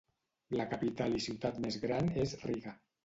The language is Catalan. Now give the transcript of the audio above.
La capital i ciutat més gran és Riga.